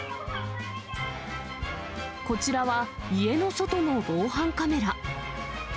こちらは、家の外の防犯カメラ。